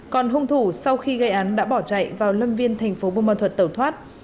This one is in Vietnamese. còn hung thủ sau khi gây án đã bỏ chạy vào lâm viên thành phố bù ma thuật tẩu thoát